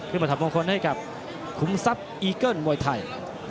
มาถอดมงคลให้กับขุมทรัพย์อีเกิ้ลมวยไทย